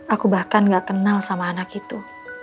aku bahkan gak kenal sama anak itu